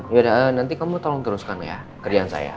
ya nanti kamu tolong teruskan ya kerjaan saya